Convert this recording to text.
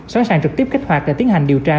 xóa sàng trực tiếp kết hoạt để tiến hành điều tra